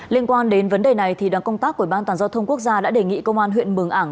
liên quan đến vấn đề này đoàn công tác của ủy ban tàn do thông quốc gia đã đề nghị công an huyện mường ảng